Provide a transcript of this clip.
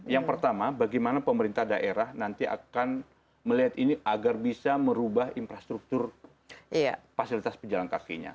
yang pertama bagaimana pemerintah daerah nanti akan melihat ini agar bisa merubah infrastruktur fasilitas penjalan kakinya